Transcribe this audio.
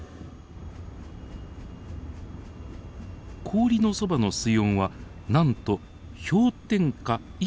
氷のそばの水温はなんと氷点下１．８度。